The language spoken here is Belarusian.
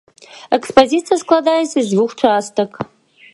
Экспазіцыя складаецца з дзвюх частак.